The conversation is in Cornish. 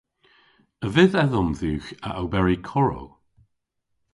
A vydh edhom dhywgh a oberi korow?